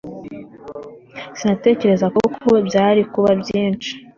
Sinatekerezaga ko byari kuba byinshi